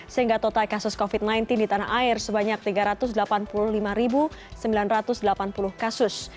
sehingga total kasus covid sembilan belas di tanah air sebanyak tiga ratus delapan puluh lima sembilan ratus delapan puluh kasus